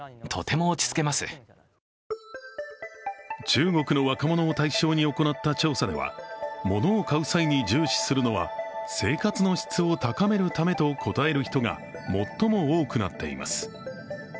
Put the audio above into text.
中国の若者を対象に行った調査では、ものを買う際に重視するのは生活の質を高めるためと答える人が最も多くなっています。